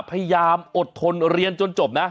พยายามอดทนเรียนจนจบนะ